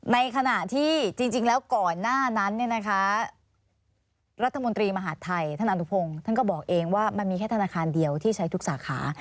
ในขณะที่จริงแล้วก่อนหน้านั้นรัฐมนตรีมหาดไทยท่านอนุพงศ์ท่านก็บอกเองว่ามันมีแค่ธนาคารเดียวที่ใช้ทุกสาขา